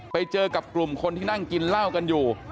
ไปเจอกับกลุ่มคนที่นั่งกินเหล้ากันอยู่